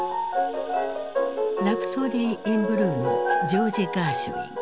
「ラプソディ・イン・ブルー」のジョージ・ガーシュイン。